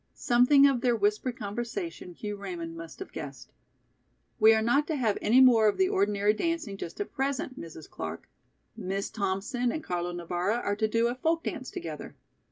Something of their whispered conversation Hugh Raymond must have guessed. "We are not to have any more of the ordinary dancing just at present, Mrs. Clark. Miss Thompson and Carlo Navara are to do a folk dance together."